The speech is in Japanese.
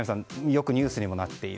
よくニュースにもなっている。